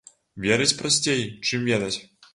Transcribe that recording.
Верыць прасцей, чым ведаць.